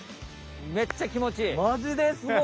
めっちゃきもちいい！